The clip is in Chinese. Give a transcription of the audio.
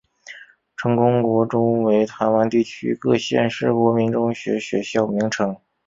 成功国中为台湾地区各县市国民中学学校名称。